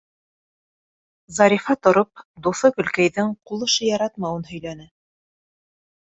Зарифа, тороп, дуҫы Гөлкәйҙең ҡул эше яратмауын һөйләне.